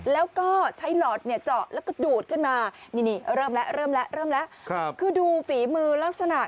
แล้วก็ใช้หลอดเนี่ยเจาะแล้วก็ดูดขึ้นมา